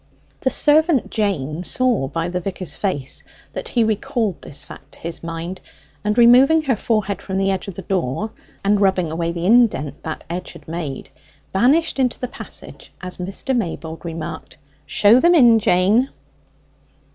The servant Jane saw by the vicar's face that he recalled this fact to his mind; and removing her forehead from the edge of the door, and rubbing away the indent that edge had made, vanished into the passage as Mr. Maybold remarked, "Show them in, Jane."